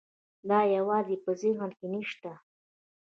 دا یوازې په ذهن کې نه شته.